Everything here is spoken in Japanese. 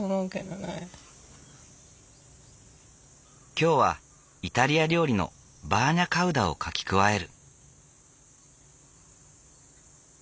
今日はイタリア料理のバーニャカウダを書き加える。